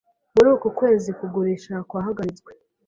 Muri uku kwezi kugurisha kwahagaritswe.